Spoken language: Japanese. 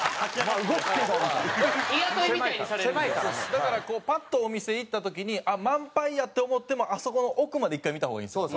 だからこうパッとお店行った時にあっ満杯やって思ってもあそこの奥まで１回見た方がいいんですよ。